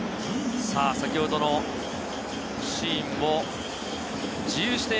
先ほどのシーンも自由視点